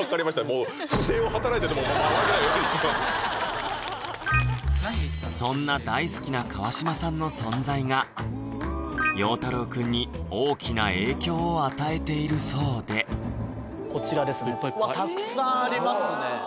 もうそんな大好きな川島さんの存在がようたろうくんに大きな影響を与えているそうでこちらですねたくさんありますね